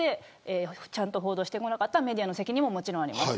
ちゃんと報道してこなかったメディアの責任ももちろんあります。